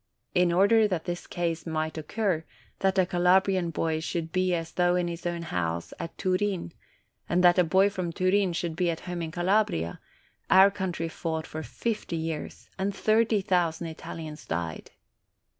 In order that this case might occur, that a Calabrian boy should be as though in his own house at Turin, and that a boy from Turin should be at home in Calabria, our country fought for fifty years, and thirty thousand Italians died.